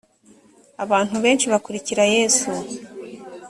abantu benshi bakurikira yesu